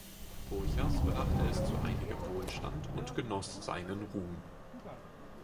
Purchas brachte es zu einigem Wohlstand und genoss seinen Ruhm.